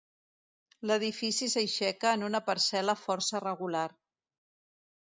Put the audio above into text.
L'edifici s'aixeca en una parcel·la força regular.